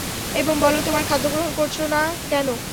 এবং বলল, তোমরা খাদ্য গ্রহণ করছ না কেন?